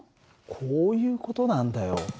こういう事なんだよ。